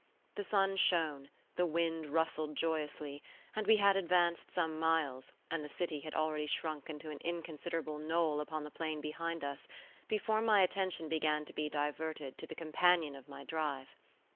The sun shone, the wind rustled joyously; and we had advanced some miles, and the city had already shrunk into an inconsiderable knoll upon the plain behind us, before my attention began to be diverted to the companion of my drive.